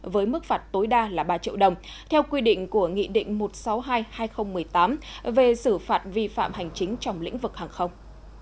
với mức phạt tối đa là ba triệu đồng theo quy định của nghị định một trăm sáu mươi hai hai nghìn một mươi tám về xử phạt vi phạm hành chính trong lĩnh vực hàng không